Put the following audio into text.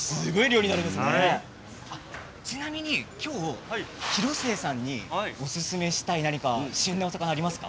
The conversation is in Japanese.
ちなみに今日広末さんにおすすめしたい何か旬のお魚ありますか。